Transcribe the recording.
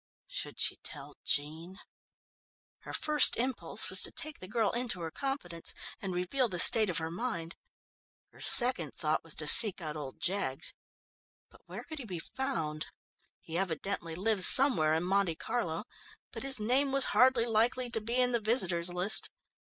Should she tell Jean? Her first impulse was to take the girl into her confidence, and reveal the state of her mind. Her second thought was to seek out old Jaggs, but where could he be found? He evidently lived somewhere in Monte Carlo, but his name was hardly likely to be in the visitors' list.